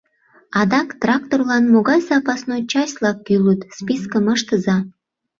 Адак тракторлан могай запасной часть-влак кӱлыт, спискым ыштыза.